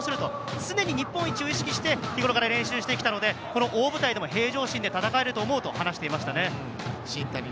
常に日本一を意識して、日頃から練習してきたので、この大舞台でも平常心で戦えると思うと話していました。